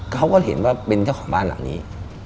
เขาก็เห็นว่าเป็นเจ้าของบ้านหลังนี้